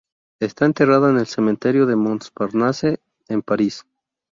Está enterrado en el cementerio de Montparnasse, en París.